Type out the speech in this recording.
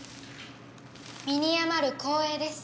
身に余る光栄です。